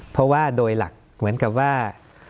เพราะว่าโดยหลักเหมือนกับว่า